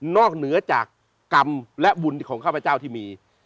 เหนือจากกรรมและบุญของข้าพเจ้าที่มี